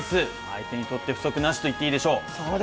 相手にとって不足なしといっていいでしょう。